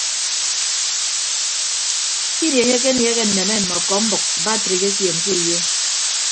Ke ini enye akenieehe nneme mme ọkọmbʌk batrik esien ke uyo.